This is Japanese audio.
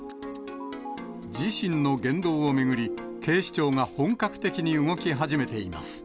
自身の言動を巡り、警視庁が本格的に動き始めています。